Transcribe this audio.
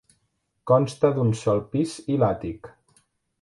Consta d'un sol pis i l'àtic.